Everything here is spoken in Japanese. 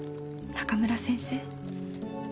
「中村先生